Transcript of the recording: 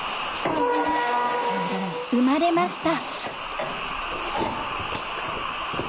生まれました